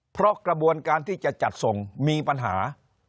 เพราะกระบวนการที่จะจัดส่งมีปัญหา